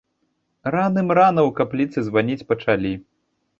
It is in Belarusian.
Раным-рана ў капліцы званіць пачалі.